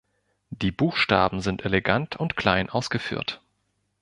Die Buchstaben sind elegant und klein ausgeführt.